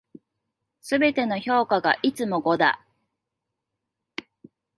全ての評価がいつも五だ。